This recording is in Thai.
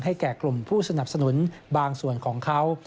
แก่กลุ่มผู้สนับสนุนบางส่วนของเขา